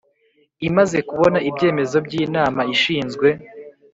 Imaze kubona ibyemezo by inama ishinzwe